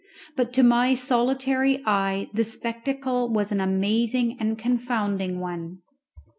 But to my solitary eye the spectacle was an amazing and confounding one.